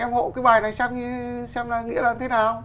em hộ cái bài này xem nghĩa là thế nào